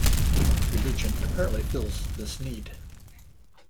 Religion apparently fills this need.